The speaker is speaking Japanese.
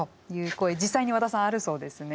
実際に和田さんあるそうですね。